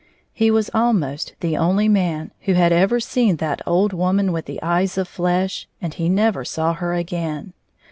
He was ahnost the only man who had ever seen that old woman with the eyes of flesh, and he never saw her again.